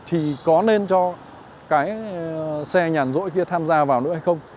thì có nên cho cái xe nhàn rỗi kia tham gia vào nữa hay không